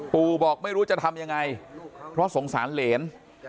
ปู่บอกไม่รู้จะทำยังไงเพราะสงสารเหรน